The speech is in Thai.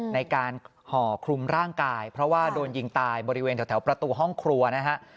ห่อคลุมร่างกายเพราะว่าโดนยิงตายบริเวณแถวประตูห้องครัวนะฮะ